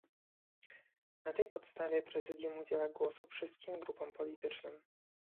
Na tej podstawie prezydium udziela głosu wszystkim grupom politycznym